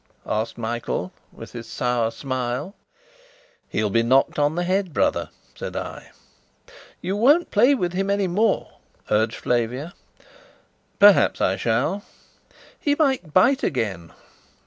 asked Michael, with his sour smile. "He'll be knocked on the head, brother," said I. "You won't play with him any more?" urged Flavia. "Perhaps I shall." "He might bite again."